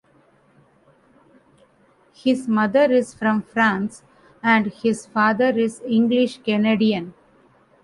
His mother is from France and his father is English Canadian.